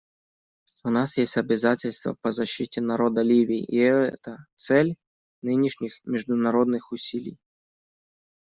У нас есть обязательства по защите народа Ливии, и это цель нынешних международных усилий.